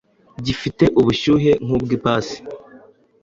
gifite ubushyuhe nkubw’ipasi